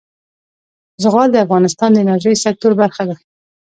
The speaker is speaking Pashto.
زغال د افغانستان د انرژۍ سکتور برخه ده.